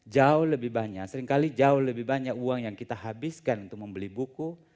jauh lebih banyak seringkali jauh lebih banyak uang yang kita habiskan untuk membeli buku